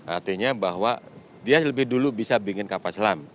artinya bahwa dia lebih dulu bisa bikin kapal selam